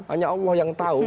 hanya allah yang tahu